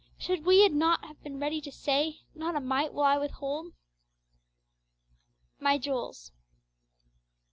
_' should we not have been ready to say, 'Not a mite will I withhold!' My Jewels.